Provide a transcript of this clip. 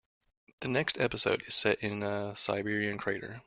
The next episode is set in a Siberian crater.